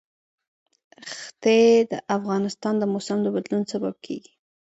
ښتې د افغانستان د موسم د بدلون سبب کېږي.